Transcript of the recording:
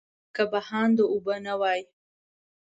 که بهانده اوبه نه وای.